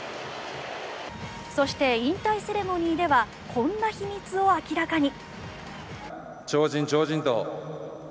そして引退セレモニーではこんな秘密を明らかに。